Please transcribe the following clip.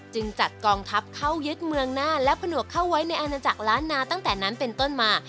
จัดกองทัพเข้ายึดเมืองหน้าและผนวกเข้าไว้ในอาณาจักรล้านนาตั้งแต่นั้นเป็นต้นมา